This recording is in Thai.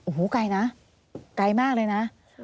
โอ้โหไกลนะไกลมากเลยนะ